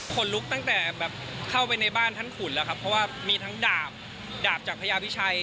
คนลุกตั้งแต่แบบเข้าไปในบ้านท่านขุนแล้วครับเพราะว่ามีทั้งดาบดาบจากพญาพิชัย